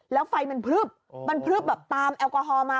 แล้วไฟมันพลึบมันพลึบแบบตามแอลกอฮอลมา